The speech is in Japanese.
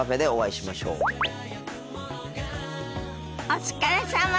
お疲れさま。